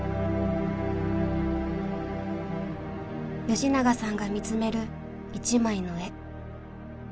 吉永さんが見つめる一枚の絵。